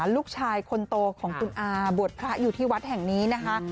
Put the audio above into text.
ลูกชายคนโตของคุณอาบวชพระอยู่ที่วัดแห่งนี้นะคะ